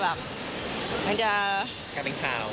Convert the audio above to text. กลายเป็นข่าว